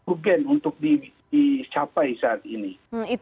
itu yang mungkin untuk dicapai saat ini